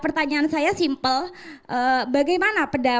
pertanyaan saya simpel bagaimana